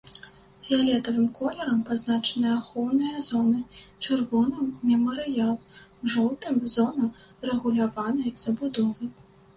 Фіялетавым колерам пазначаныя ахоўныя зоны, чырвоным мемарыял, жоўтым зона рэгуляванай забудовы.